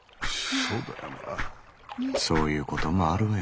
そういうこともあるのよ。